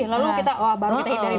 lalu kita oh baru kita hindari